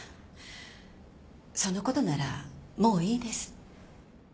そのことならもういいです。